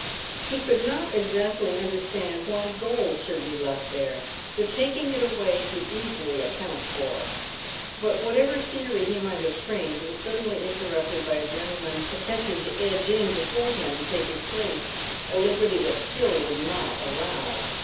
He could not exactly understand why gold should be left there. The taking it away he could easily account for ; but whatever theory he might have framed was suddenly interrupted by a gentleman attempting to edge in before him and take his place, a liberty that Phil would not allow.